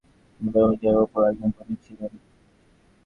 তিনি প্রমাণশাস্ত্রের ওপর একজন পণ্ডিত ছিলেন।